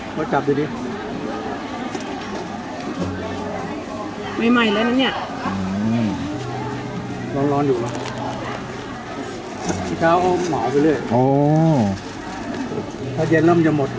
นึงอีกปีใต้เดินนึงความพิษเดินอ่ะโอ้ยจับดูดิ